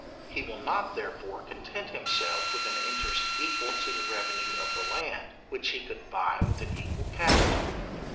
He will not therefore content himself with an interest equal to the revenue of the land which he could buy with an equal capital.